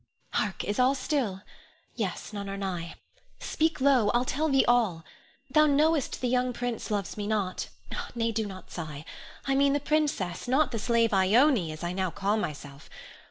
Hark! is all still? Yes; none are nigh! Speak low. I'll tell thee all. Thou knowest the young prince loves me not, nay, do not sigh; I mean the princess, not the slave Ione, as I now call myself.